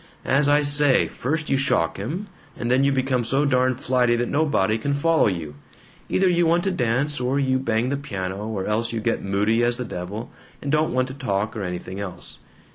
As I say, first you shock him, and then you become so darn flighty that nobody can follow you. Either you want to dance, or you bang the piano, or else you get moody as the devil and don't want to talk or anything else.